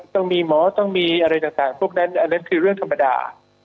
ต้องมีหมอต้องมีอะไรต่างพวกนั้นอันนั้นคือเรื่องธรรมดา